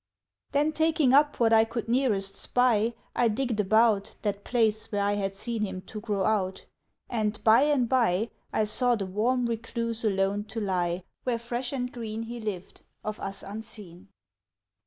Then taking up what I could nearest spy, I digged about That place where I had seen him to grow out; And by and by I saw the warm recluse alone to lie, Where fresh and green He lived of us unseen.